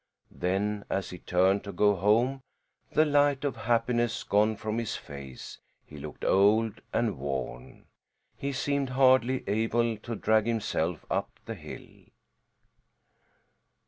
Then, as he turned to go home, the light of happiness gone from his face, he looked old and worn; he seemed hardly able to drag himself up the hill.